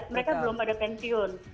mereka belum ada pensiun